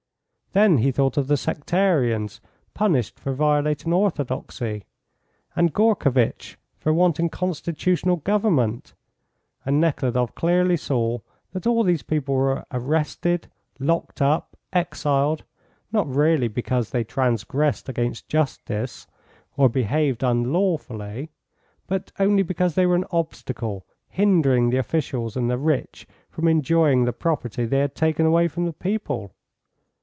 Then he thought of the sectarians punished for violating Orthodoxy, and Gourkevitch for wanting constitutional government, and Nekhludoff clearly saw that all these people were arrested, locked up, exiled, not really because they transgressed against justice or behaved unlawfully, but only because they were an obstacle hindering the officials and the rich from enjoying the property they had taken away from the people.